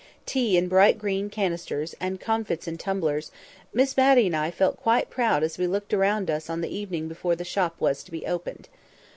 Tea in bright green canisters, and comfits in tumblers—Miss Matty and I felt quite proud as we looked round us on the evening before the shop was to be opened.